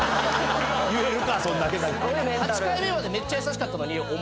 ８回目までめっちゃ優しかったのに。